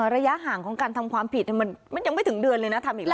ระยะห่างของการทำความผิดมันยังไม่ถึงเดือนเลยนะทำอีกแล้ว